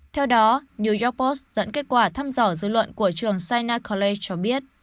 theo đó new york post dẫn kết quả thăm dò dư luận của trường sinai college cho biết